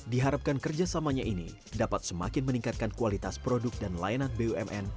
diharapkan kerjasamanya ini dapat semakin meningkatkan kualitas produk dan layanan bumn